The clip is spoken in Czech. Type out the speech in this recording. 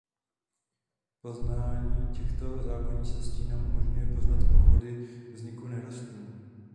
Poznání těchto zákonitosti nám umožňuje poznat pochody vzniku nerostů.